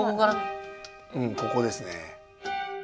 うんここですね。